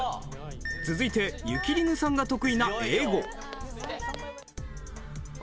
続いてゆきりぬさんが得意な英語。